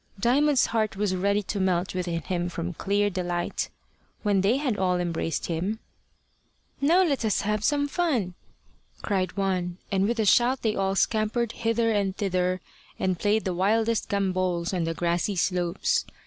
Diamond's heart was ready to melt within him from clear delight. When they had all embraced him, "Now let us have some fun," cried one, and with a shout they all scampered hither and thither, and played the wildest gambols on the grassy slopes.